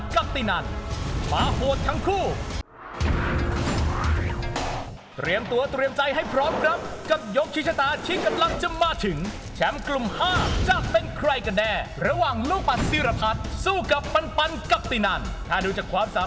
ช่วงหน้าลาดไม่ได้ในธาตุกับแมทศิชยาตา